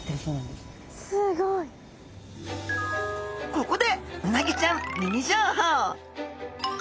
ここでうなぎちゃんミニ情報。